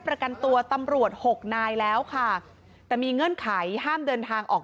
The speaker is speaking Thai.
ประกันตัวตำรวจหกนายแล้วค่ะแต่มีเงื่อนไขห้ามเดินทางออก